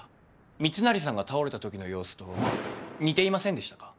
密成さんが倒れたときの様子と似ていませんでしたか？